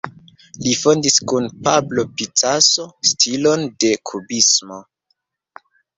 Li fondis kun Pablo Picasso stilon de kubismo.